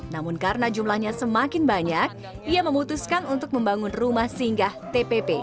namun karena jumlahnya semakin banyak ia memutuskan untuk membangun rumah singgah tpp